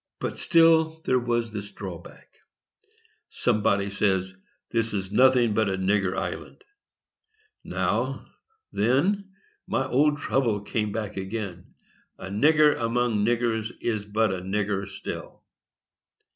But still there was this drawback. Somebody says, "This is nothing but a nigger island." Now, then, my old trouble came back again; "a nigger among niggers is but a nigger still."